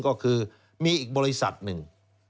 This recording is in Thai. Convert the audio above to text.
ก็คือมีอีกบริษัทหนึ่ง